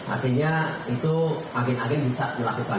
artinya itu agen agen bisa melakukan